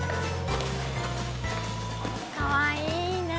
かわいいね。